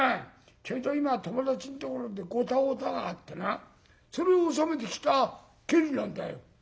ちょいと今友達んところでゴタゴタがあってなそれを収めてきた帰りなんだよ」。